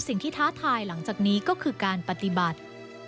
ท้าทายหลังจากนี้ก็คือการปฏิบัติ